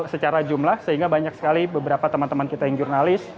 secara jumlah sehingga banyak sekali beberapa teman teman kita yang jurnalis